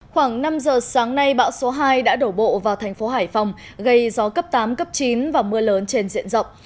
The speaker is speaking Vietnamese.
khoảng năm giờ sáng nay bão số hai đã đổ bộ vào thành phố hải phòng gây gió cấp tám cấp chín và mưa lớn trên diện rộng